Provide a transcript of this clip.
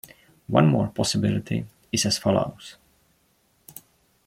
One more possibility is as follows.